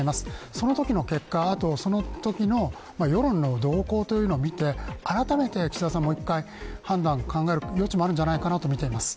そのときの結果、そのときの世論の動向を見て改めて岸田さんもう一回判断を考える余地もあるんじゃないかとみています。